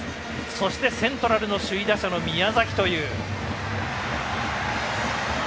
そしてセントラルの首位打者の宮崎という。